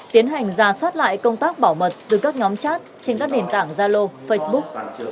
tiến hành ra soát lại công tác bảo mật từ các nhóm chat trên các nền tảng zalo facebook